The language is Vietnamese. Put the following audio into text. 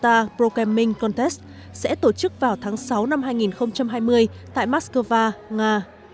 các đội tuyển của chúng ta programming contest sẽ tổ chức vào tháng sáu năm hai nghìn hai mươi tại moscow nga